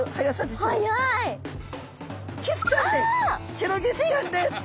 シロギスちゃんです。